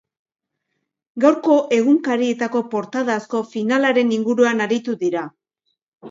Gaurko egunkarietako portada asko finalaren inguruan aritu dira.